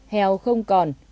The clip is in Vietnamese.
heo không còn